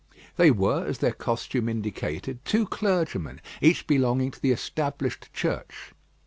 They were, as their costume indicated, two clergymen, each belonging to the Established Church.